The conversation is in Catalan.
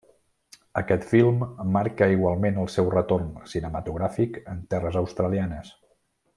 Aquest film marca igualment el seu retorn cinematogràfic en terres australianes.